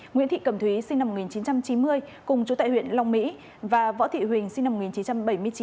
nguyễn thị cẩm thúy sinh năm một nghìn chín trăm chín mươi cùng chú tại huyện long mỹ và võ thị huỳnh sinh năm một nghìn chín trăm bảy mươi chín